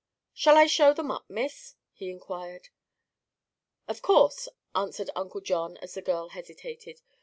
"Shall I show them up, Miss?" he inquired. "Of course," answered Uncle John, as the girl hesitated.